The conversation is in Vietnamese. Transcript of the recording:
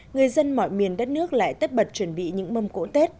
người dân mọi miền đất nước lại tất bật chuẩn bị những mâm cỗ tết